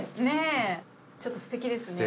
ちょっとすてきですね。